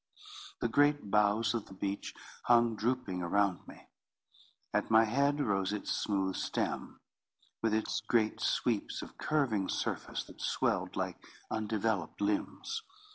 The great boughs of the beech hung drooping around me. At my head rose its smooth stem, with its great sweeps of curving surface that swelled like undeveloped limbs.